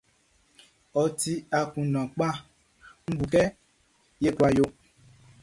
Ôti akunndan kpa, Nʼbu kɛ ye kula yo.